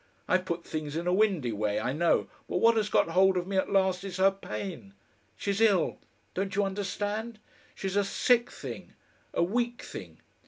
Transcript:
I put things in a windy way, I know, but what has got hold of me at last is her pain. She's ill. Don't you understand? She's a sick thing a weak thing.